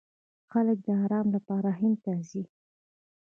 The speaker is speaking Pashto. خلک د ارام لپاره هند ته ځي.